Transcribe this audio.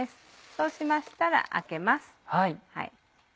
そうしましたらあけます。